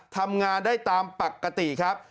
ทำงานได้ตามปกติครับ